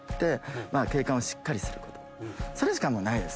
それしかないです